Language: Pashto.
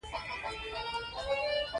عطرونه د ښه مجلس فضا جوړوي.